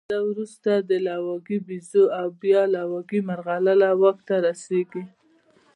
له ده وروسته د لوګي بیزو او بیا لوګي مرغلره واک ته رسېږي